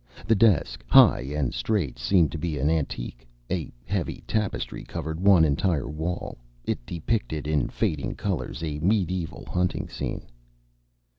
The desk, high and straight, seemed to be an antique. A heavy tapestry covered one entire wall. It depicted, in fading colors, a medieval hunting scene.